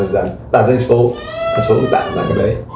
tặng danh số danh số cũng tặng là cái đấy